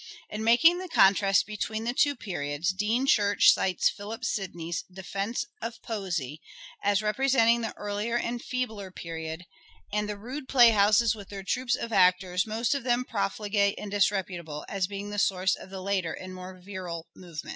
In making the contrast between the two periods Dean Church cites Philip Sidney's " Defense of Poesie " as repre senting the earlier and feebler period, and the " rude play houses with their troops of actors, most of them profligate and disreputable " as being the source of the later and more virile movement.